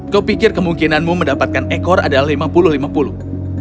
kau pikir kemungkinanmu mendapatkan ekor adalah lima puluh lima puluh